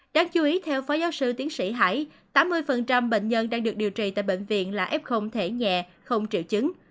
đáng chú ý theo phó giáo sư tiến sĩ hải tám mươi bệnh nhân đang được điều trị tại bệnh viện là f thể nhẹ không triệu chứng